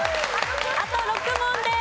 あと６問です。